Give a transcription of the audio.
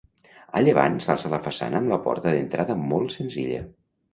A llevant s'alça la façana amb la porta d'entrada molt senzilla.